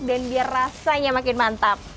dan biar rasanya makin mantap